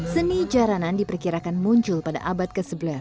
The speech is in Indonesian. seni jaranan diperkirakan muncul pada abad ke sebelas